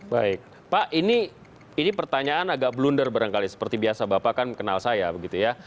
baik pak ini pertanyaan agak blunder barangkali seperti biasa bapak kan kenal saya begitu ya